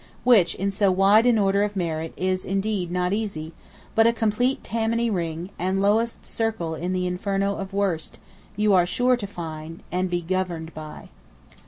Which, in so wide an order of merit, is, indeed, not easy; but a complete Tammany Ring, and lowest circle in the Inferno of Worst, you are sure to find, and to be governed by."